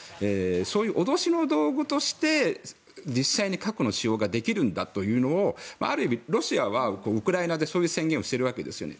そういう脅しの道具として実際に核の使用ができるんだというのをある意味、ロシアはウクライナでそういう宣言をしているんですね。